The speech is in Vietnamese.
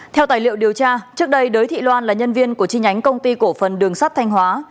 theo tài liệu điều tra trước đây đới thị loan là nhân viên của chi nhánh công ty cổ phần đường sắt thanh hóa